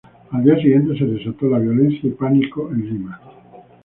Al día siguiente se desató la violencia y pánico en Lima.